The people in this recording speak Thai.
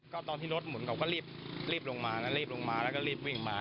ก็ตอนที่รถหมุนเขาก็รีบลงมานะรีบลงมาแล้วก็รีบวิ่งมา